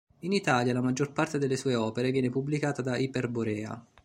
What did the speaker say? In Italia la maggior parte delle sue opere viene pubblicata da Iperborea.